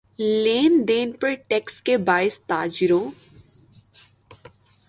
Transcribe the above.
لین دین پر ٹیکس کے باعث تاجروں